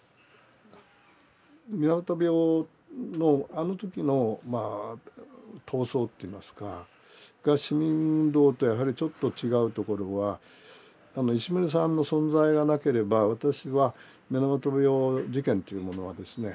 水俣病のあの時のまあ闘争といいますかが市民運動とやはりちょっと違うところはあの石牟礼さんの存在がなければ私は水俣病事件というものはですね